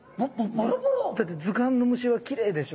だって図鑑の虫はきれいでしょ？